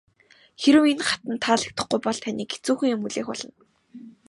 Хэрэв энэ хатанд таалагдахгүй бол таныг хэцүүхэн юм хүлээх болно.